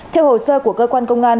theo hồ sơ của cơ quan công an